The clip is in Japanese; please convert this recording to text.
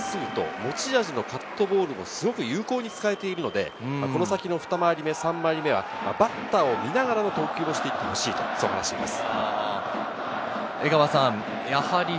両サイドの真っすぐと持ち味のカットボールがすごく有効に使えているので、この先の２回り目・３回り目は、バッターを見ながらの投球をしていってほしいと話しています。